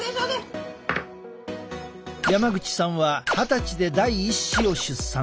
山口さんは二十歳で第１子を出産。